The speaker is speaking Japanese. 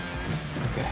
ＯＫ。